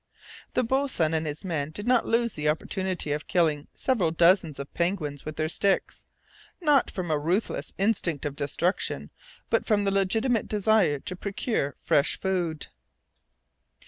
The boatswain and his men did not lose the opportunity of killing several dozens of penguins with their sticks, not from a ruthless instinct of destruction, but from the legitimate desire to procure fresh food.